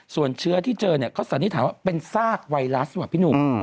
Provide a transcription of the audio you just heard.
ส่วนเชื้อที่เจอเขาสัญญาณิถามว่าเป็นซากไวรัสนะครับพี่หนุ่ม